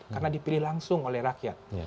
karena dipilih langsung oleh rakyat